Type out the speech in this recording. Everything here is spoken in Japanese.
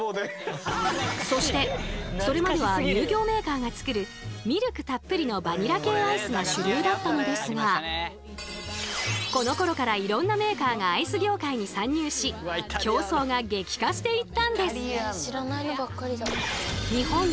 そしてそれまでは乳業メーカーが作るミルクたっぷりのバニラ系アイスが主流だったのですがこのころからいろんなメーカーがアイス業界に参入し競争が激化していったんです！